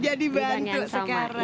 jadi bantu sekarang